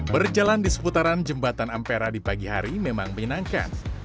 berjalan di seputaran jembatan ampera di pagi hari memang menyenangkan